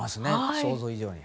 想像以上に。